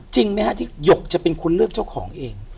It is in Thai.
จริงไหมฮะที่หยกจะเป็นคนเลือกเจ้าของเอง